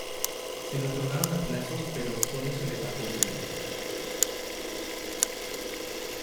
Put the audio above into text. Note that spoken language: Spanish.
Se le otorgaron a plazos, pero solo se le pagó el primero.